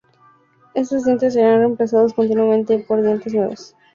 Estos dientes serían reemplazados continuamente por dientes nuevos.